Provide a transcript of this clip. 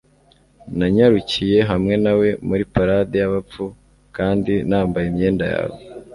Nanyarukiye hamwe nawe muri Parade yAbapfu kandi nambaye imyenda yawe